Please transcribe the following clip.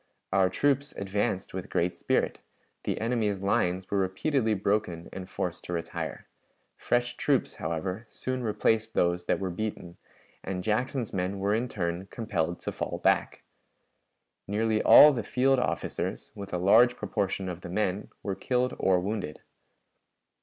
Our troops advanced with great spirit; the enemy's lines were repeatedly broken and forced to retire. Fresh troops, however, soon replaced those that were beaten, and Jackson's men were in turn compelled to fall back. Nearly all the field officers, with a large proportion of the men, were killed or wounded.